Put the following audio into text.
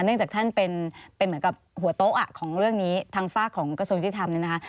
จากท่านเป็นเหมือนกับหัวโต๊ะของเรื่องนี้ทางฝากของกระทรวงยุติธรรมเนี่ยนะคะ